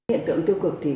hiện tượng tiêu cực thì